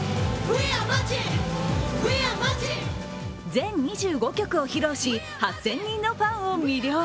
全２５曲を披露し、８０００人のファンを魅了。